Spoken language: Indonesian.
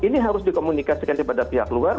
ini harus dikomunikasikan kepada pihak luar